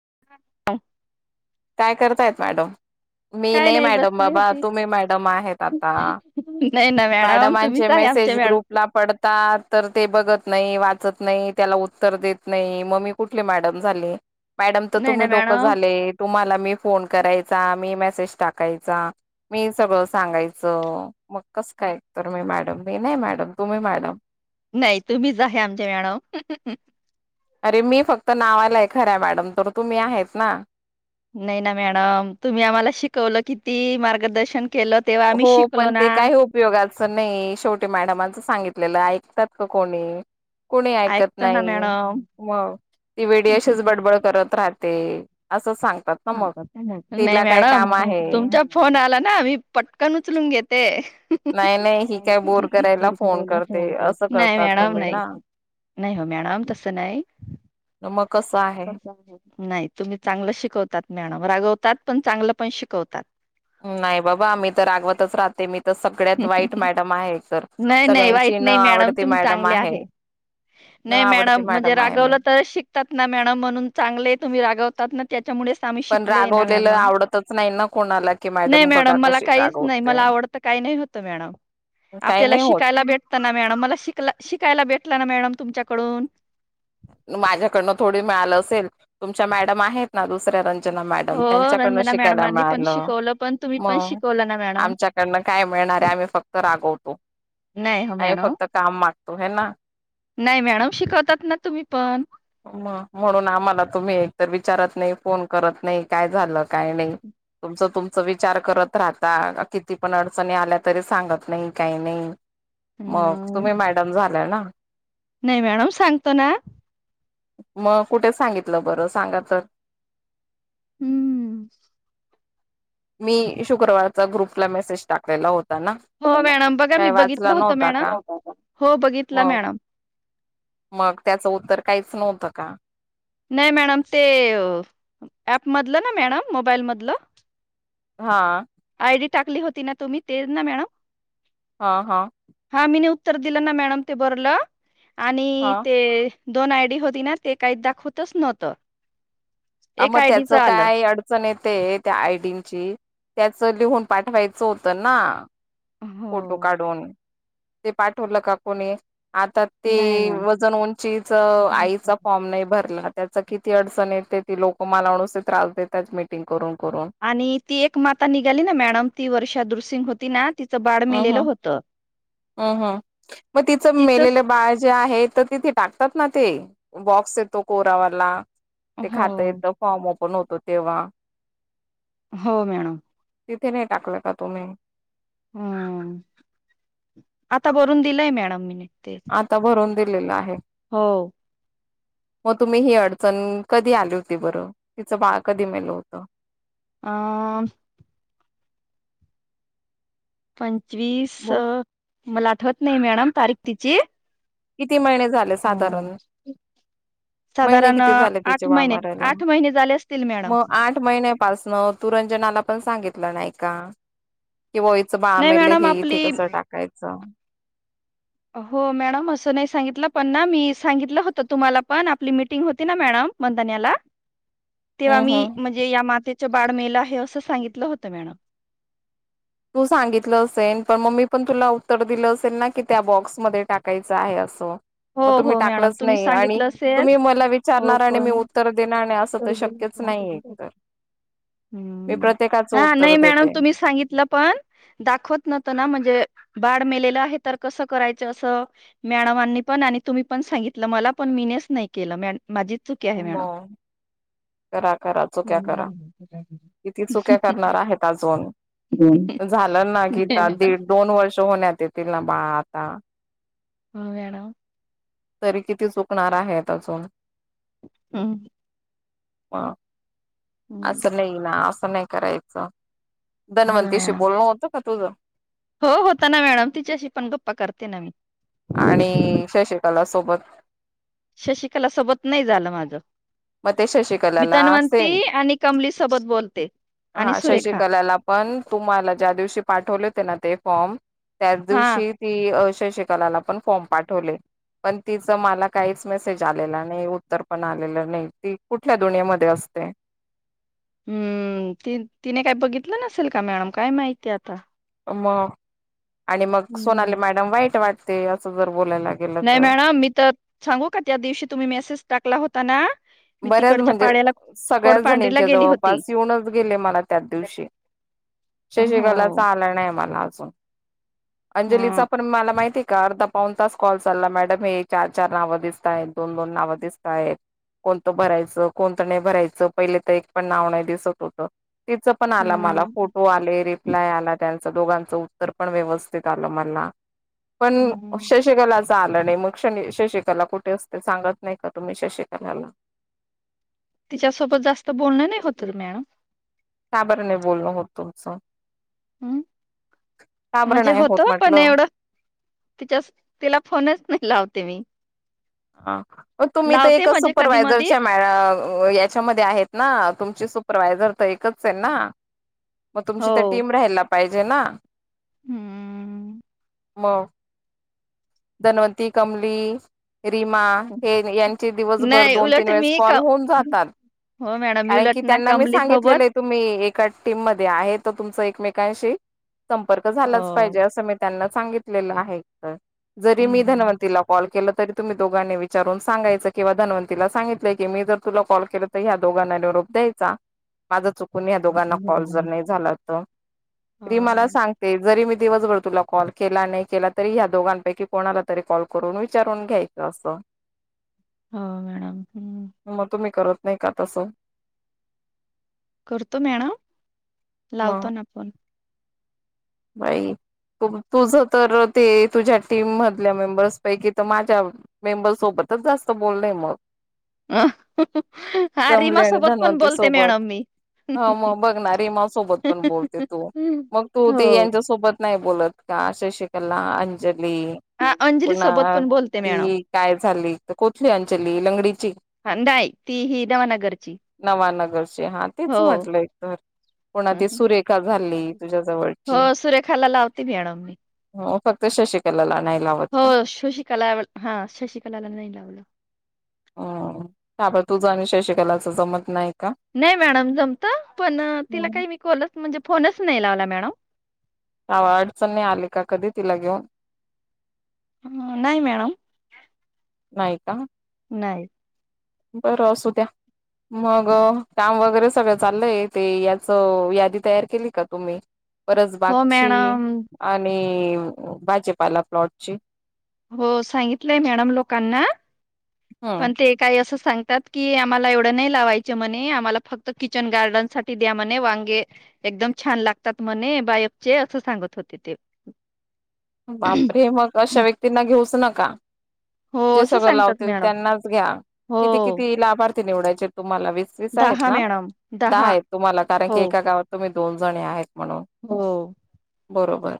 [unintelligible] काय करतायत मॅडम? मी काय नाही मॅडम बसली बाबा होती. तुम्ही मॅडम आहेत आता. नाही ना मॅडम मॅडमांचे तुम्हीच आहे आमच्या मेसेज मॅडम. ग्रुपला पडतात. तर ते बघत नाही वाचत नाही त्याला उत्तर देत नाही मगमी कुठले मॅडम झाले. मॅडम तर नाही ना तुम्ही लोक मॅडम. झाले तुम्हाला मी फोन करायचा मी मेसेज टाकायचा मी सगळं सांगायचं मग कसं कायत मी मॅडम मी नाही मॅडम तुम्ही मॅडम. नाही तुम्हीच आहे आमच्या मॅडम. अरे मी फक्त नावालाय खरं मॅडम तर तुम्ही आहेच ना. नाही ना मॅडम तुम्ही आम्हाला शिकवलं किती मार्गदर्शन केलं तेव्हा आम्ही हो शिकलो पण ना. ते काही उपयोगाचं नाही शेवटी मॅडमांचं सांगित आपल्याला ऐकतात का कोणी कोुणी ऐकत ऐकतो ना नाही मॅडम मग ती वेडी अशीच बडबड करत राहते असं सांग गत नाही मॅडम आहे तुमचा फोन आला ना मी पटकन उचलून घेते नाही नाही ही काय बोर का करायला गरराला करते फोन करत असं नाही करतात मॅडम तुम्ही नाही ना नाही हो मॅडम तस नाहीस मग कसं आहे नाही तुम्ही चांगलं शिकवतात मॅडम रागवतात पण चांगलं पण शिकवतात नाही बाबा आम्ही तर रागवतच राहते मी तर सगळ्यात वाईट मॅडम आहे तरर नाही नाही वाईट सगळ्यांची न नाही मॅडम आवडती तुम्ही मॅडम चांगले आहे न नाही आवडती मॅडम म्हणजे आहे मी रागवलं तर शिकतात ना मॅडम म्हणून चांगले तुम्ही रागवतात ना त्या पण आम्हीलो मड रागवलेलं आवडतच नाही ना कोणाला की मॅडम मड बघा म कशी का म रागवते. आ नाही होत मॅडम, काही आपल्या नाही होत शिकायला भेटत ना मॅडम तुमच्याकडून माझ्याकडनं थोडी मिळालं असेल तुमच्या मॅडम आहेत ना दुसऱ्या र मॅडम हो त्यांच्याकड रंजना शिकायला मॅडमांनी पण मिळाल शिकवलं पण तुम्ही पण मग शिकवलं ना मॅडम. आमच्याकडून काय मि आम्ही फक्त रागवतो नाही हो आ मॅडम. फक्त काम मागतो हे ना नाही मॅडम शिकवतात ना तुम्ही पण. म म्हणून आम्हाला तुम मी एक तर विचारत नाही फोन करत नाही काय झालं काय नाही तुमचं तुमच विचार करत राहता किती पण अडचणी आल्या तरी सांगत नाही काही नाही मग हम्म. तुम्ही मॅडम झाला ना नाही मॅडम सांगतो ना मग कुठे सांगितलं बरं सांगा तर हम्म हम् मी शुक्रवारचा ग्रुपला मेसेज टाकलेला होता ना हो मॅडम बघा मी काय वाचला बघितलं होत नव्हता का मॅडम हो बघितला मग मॅडम मग त्याचं उत्तर काहीच नव्हतं का नाही मॅडम ते ऍपमधलं ना मॅडम मोबाईल मधलं हा टाकली होती ना तुम्ही ते ना मॅडम. हा हा. हा मी उत्तर दिलं ना मॅडम ते बरलं आणि हा ते दोन आयडी होती ना ते काही दाखव. तस नव्हतं. अ एक मग आय त्याच डीचं आलं काय अडचण येत त्या आयडीची त्याच लिहून पाठवायचं होतं ना! फोटो हो काढून ते पाठवलं का कोणी, आता नाही ते मॅडम वजन उंचीच बरोबर. आईचा फॉर्म नाही भरला, त्याच किती अडचण येते ती लोक मला नुसेत राहते त्यात मीटिंग करून. करून आणि ती एक माता निघाली ना मॅडम ती वर्षा दुरसिंग होती ना! तिचं बाळ हम्म मेलेलं होत. हम्म हम् मग तिचं तिचंच मेलेलं बाळ जे आहे तर तिथे टाकतात ना? ते बॉक्स येतो कोरावाला ते हो खात येत फॉर्म ओपन होत, तो तेव्हा, हो मॅडम! तिथे नाही टाकले का तुम्ही, हम् आता बरून दिलंय मॅडम मीने आता भरून दिलेला आहे. हो! मग तुम्ही ही अडचण कधी आली होती बरं तिचं बाळ कधी मेल होतं. अ? पंचवीस बोल. मला आठवत नाही मॅडम तारीख तिची किती महिने झाले हम्म साधारण. महिने साधारण किती झाले तिचे आठ बाळ महिने मारायला? आठ महिने झाले असतील मॅडम मग आठ महिन्यापासन तु रंजनाला पण सांगितलं नाही का? की बा हीच बाळ नाही मेलं मॅडम हे इथे आपली कसं टाकायचं? हो मॅडम असं नाही सांगितलं पण ना मी सांगितलं होत तुम्हाला पण आपली मिटिंग होती ना मॅडम. मंदन्याला [inaudible] तेव्हा हम्म मी हम्म म्हणजे या मातेच बाळ मेल आहे असं सांगितलं होतं मॅडम. तू सांगितलं असेल पण मग मी पण तुला उत्तर दिलं असेल ना की त्या बॉक्समध्ये टाकायचं आहे असं. मग हो तुम्ही हो मॅडम टाकलंच तुम्ही नाही आणि सांगितलं असेल तुम्ही मला हो विचारणार आणि पण मी उत्तर देणार नाही असं शक्यच नाहीये एक तर मी हम्म प्रत्येकाच हा उत्तर नाही मॅडम देते. तुम्ही सांगितलं पण, दाखवत नव्हत ना म्हणजे बाळ मेलेलं आहे तर कसं करायचं असं मॅडमानी तुम्ही पण सांगितलं मला पण मीच नाही केलं माझीच चुकी आहे मॅडम. मग करा, करा चुक्या करा किती चुक्या करणार आहेत अजून? झालं ना गीता मॅडम दीड दोन वर्ष होण्यात येतील ना बाळ आता. हो मॅडम. तरी किती चुकणार आहेत अजून? हम्म! ह हम्म. असं नाही ना असं नाही करायचं. हो धनवंतीशी मॅडम. बोलणं होतं का तुझं? हो होता ना मॅडम तिच्याशी पण गप्पा करते ना मी. आणि शशिकला सोबत? शशिकाला सोबत नाही झालं माझं. मग ते मी शशिकलाला सेम धनवंती आणि कमली सोबत बोलते. हा आणि सुरेखा शशिकलाला पण तुम्हाला ज्या दिवशी पाठवले होते ना ते फॉर्म त्याच हा दिवशी ती, शशिकला ला पण फॉर्म पाठवले. पण तिचं मला काहीच मेसेज आलेला नाही उत्तर पण आलेलं नाही. ती कुठल्या दुनियामध्ये असते? हम्म ती तिने काय बघितलं नसेल का मॅडम काय माहिती आता. मग आणि मग सोनाली हम्म. मॅडम वाईट वाटते असं जर बोलायला गेलं नाही तर मॅडम मी तर सांगू का त्या दिवशी तुम्ही मेसेज टाकला होता ना? मी बऱ्याच तिकडच्या म्हणजे पाड्याला सगळ्या कोडपांढरीला जणीच्या गेली होती. जवळपास येऊनच गेले मला त्याच दिवशी. हो. शशिकलाचा आला नाही मला. अंजलीचा हा. पण मला माहिती आहे का अर्धा पाऊण तास कॉल चालला मॅडम हे चार चार नावं दिसतायेत दोन दोन नावं दिसतायेत. कोणतं भरायचं कोणत नाही भरायचं पहिले तर एक पण नाव नाही दिसत होतं. तिच पण आला मला हम्म. फोटो आले रिप्लाय आला त्यां दोघांचं उत्तर पण व्यवस्थित आलं मला पण शशिकलाच आल नाही मग शनी शशिकला कुठे असते? सांगत नाही का तुम्ही शशिकलाला? तिच्यासोबत जास्त बोलणं नाही होत मॅडम. का बर नाही बोलणं होत तुमचं? हम्म का बरं म्हणजे नाही होत पण म्हटलं एवढं तिच्यास तिला फोनच नाही लावते मी. आ [unintelligible] म तुम्ही ते लावते कसं म्हणजे कधी मधी सुपरवायझरच्या [unintelligible] याच्यामध्ये आहेत ना तुमची सु परवायझर त एकच आहे ना मग तुमची तर टीम राहायला पाहिजे ना? हम् मग धनवंती, कमली रीमा हे यांचे दिवसभर नाही दोन तीन उलट मी वेळेस कॉल क होऊन जातात. हो मॅडम मी कारण की उलट ना त्यांना मी कमली सांगितलेलं सोबत हे तुम्ही एक का टीम मध्ये आहे तर तुमचा एकमेकांशी संपर्क झालाच हो. पाहिजे अस मी त्यांना सांगितलेलं आहे तर जरी मी हम्म. धनवंतीला कॉल केल तरी तुम्ही दोघांनी विचारून सांगायचं किंवा धनवंतीला सांगितलं की मी जर तुला कॉल केलं तर या दोघांना निरोप द्यायचा. माझ चुकून या दोघांना कॉल जर नाही झाला त हो तरी मला सांगते जरी मी दिवसभर तुला कॉल केला नाही केला तरी ह्या दोघां पैकी कोणाला तरी कॉल करून विचारून घ्यायचं असं. हो मॅडम हम् मग तुम्ही करत नाही का तस करतो मॅडम मग लावतो ना आपण बाई तुझ तर ते तुझ्या टीम मधल्या मेंबर्स पैकी तर माझ्या मेंबर्स सोबत तिथंच जास्त बोलय मग. हा कमले रीमा आणि सोबत पण धन्वंती बोलते मॅडम सोबत मी ह मग बघणा रिमा सोबत पण बोलते तू मग तू ते हो यांच्यासोबत नाही बोलत का शशिकला, आंज ली अंजली सोबत पुन्हा पण बोलते मॅडम. की काय झाली त कुठली अंजली ल ची हां, नाही ती ही नवानगरची नवानगरचे हा तेच हो. म्हटलंय तर कोणा ते सुरेखा झाली तुझ्याजवळ हो सुरेखाला लावते मॅडम मी फक्त शशिकलाला नाही लावत हो का शशिकला हा शशिकलाला नाही लावलं. हा का ब तुझ आणि शशिकलाच जमत नाही का नाही मॅडम जमत पण तिला काही मी कॉलच म्हणजे फोनच नाही लावला मॅडम आव अडचणनी आली का कधी तिला घेऊन ह नाही मॅडम नाही का? नाही बरं असू द्या. मग काम वगैरे सगळं चाललंय ते याचं यादी तयार केली का तुम्ही? हो परसबागची मॅडम आणि भाजेपाला प्लॉटची हो सांगितलंय मॅडम लोकांना हम्म पण ते काही असं सांगतात की आम्हाला एवढं नाही लावायच म्हणे आम्हाला फक्त किचन गार्डन साठी द्या म्हणे वांगे एकदम छान लागतात म्हणे बायकचे असं सांगत होते ते बापरे मग अशा व्यक्तींना घेऊच नका. हो जे असं सगळं सांगतात लावतील मॅडम त्यांनाच घ्या हो किती किती लाभा र्थी निवडायचे तुम्हाला वीस वीस आहेत दहा ना मॅडम दहा आहेत तुम्हाला कारण हो की एका गावात तुम्ही दोन जणी आहेत म्हणून हो बरोबर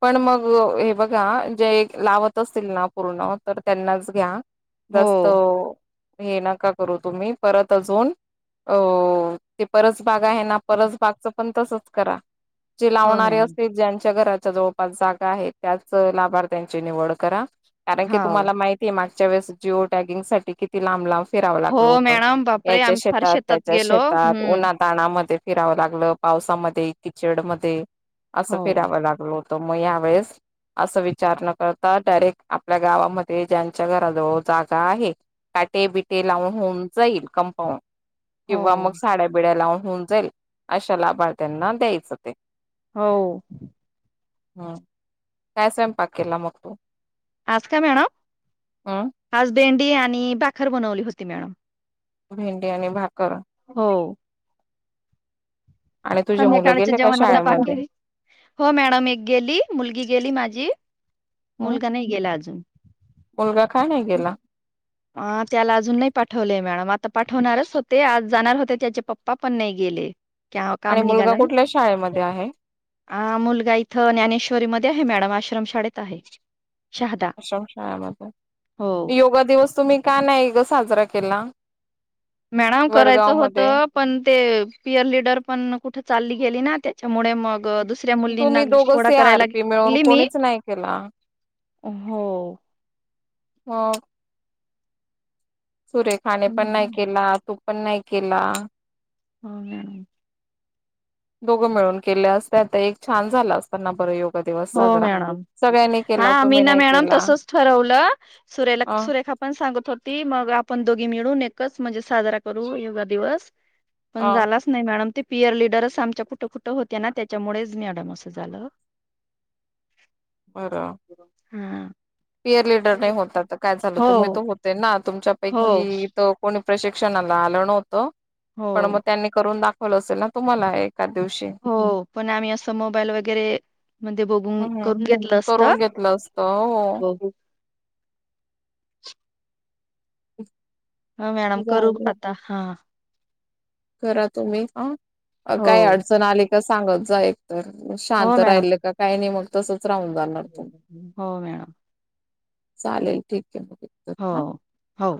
पण मग हे बघा जे लावत असतील ना पूर्ण तर त्यांनाच घ्या. जास्त हो. हे नका करू तुम्ही परत अजून अ ते परस बाग आहे ना परस बागच पण तसच करा जे हो लावणारे मॅम असते ज्यांच्या घराच्या जव जवळ पास जागा आहे त्याच लाभार्थ्यांची निवड करा कारण की हाव. तुम्हाला माहितीय मा च्या वळेस जिओ टॅगिंगसाठी किती लांब लांब फिरावं लागल हो होतं. मॅडम बापरे याच्या आम्ही फार शेतात, त्याच्या गेलो शेतात हम्म. उन्हाताणामध्ये फिरावं लागलं पावसामध्ये किचड मध्ये अस हो फिराव लागलं. त म ह्या वेळेस असं विचार न करता डायरेक्ट आपल्या गावामध्ये ज्यांच्या घराजवळ जागा आहे. पाटे बिटे लावून होऊन जाईल कंपाऊंड किंवा मग हो. साड्या बिड्या लावून होऊन जाईल अशा लाभार्थ्यांना द्यायचं ते. हो. हम्म काय स्वयंपाक केला मग तू? आज काय मॅडम? हम्म आज भेंडी आणि बाखर बनवली होती मॅडम. भेंडी आणि भाकर. हो. आणि तुझे मुलं संध्याकाळच्या गेले का जेवण आता शाळेमध्ये बाकी हो मॅडम एक गेली मुलगी गेली माझी हम्म मुलगा नाही गेला आजून. मुलगा काय नाही गेला अ त्याला अजून नाही पाठवलेय मॅडम आ ता पाठवणारच होते आज जाणार होते त्याचे पप्पा पण नही गेले क्या काम आणि मुलगा निघालं कुठल्या शाळेमध्ये आहे ना मुलगा इथं ज्ञानेश्वरी मध्ये आ हे मॅडम आश्रमशाळेत आहे. शहादा हो. आश्रमशाळामध्ये योगा दिवस तुम्ही का नाही ग साजरा केला. मॅडम करायचं वडगाव मध्ये होतं पण ते पियर लिडर पण कुठं चालली गेली ना ते मुळे मग अं दुसऱ्या मुलींना तुम्ही दोघं गोडा सी आर करायला पी मिळून गेली मी. कोणीच नाही केला हो. ह [unintelligible] सुरेखाने पण नाही हं. केला तू पण नाही केला. हम्म हम्म. दोघं मिळून केलं असता तर एक छान झाला असता ना बर योग हो मॅडम हा मी तुम्ही ना नाही मॅडम केला तसच ठरवलं सरे अ सुरेखा पा पण सांगत होती मग आपण दोघी मिळून एकच म्हणजे साजरा करू योगा दिवस पण अ झालाच नाही मॅडम ते - पियर लीडरचं आमच्या कुठं कुठं होत्या ना त्याच्यामुळेच मॅडम असं झालं. बर. हा पियर लिडर नाही होता त काय झालं हो तुम्ही तर होते ना हो तुमच्यापैकी तो कोणी प्रशिक्षणाला आलं नवतं पण हो. मग त्यांनी करून दाखवलं असेल ना तुम्हाला एक हो पण आम्ही असं मोबाईल वगैरे मध्ये बघून हम्म करून घेतलं असतं. करून घेतलं असत हो हा मॅडम करू नका हां खरा तुम्ही ह हो काय अडचण आली का सांगत जाय तर हो शांत मॅडम राहिल का काय नी मग तसचं राहून जाणार तू, हो मॅडम चालेल ठीक आहे मग एकतर हो हा हो